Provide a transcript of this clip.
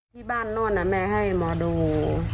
ที่บ้านโน่นแม่ให้หมอดู